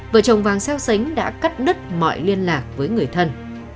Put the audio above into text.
vợ chồng vàng xeo xánh đã cắt đứt mọi liên lạc với người thân